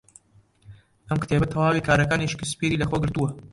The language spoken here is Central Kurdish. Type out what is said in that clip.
ئەم کتێبە تەواوی کارەکانی شکسپیری لەخۆ گرتووە.